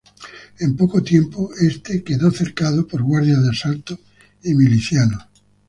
En poco tiempo, este quedó cercado por guardias de Asalto y milicianos.